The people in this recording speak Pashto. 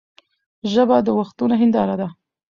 ژبه د وختونو هنداره ده.